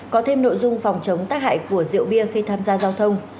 có thêm nội dung phòng chống tác hại của rượu bia khi tham gia giao thông